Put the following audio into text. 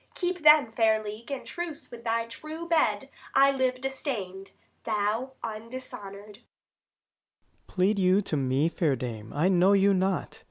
Keep, then, fair league and truce with thy true bed; I live distain'd, thou undishonoured.